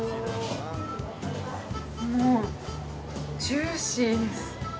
ジューシーです。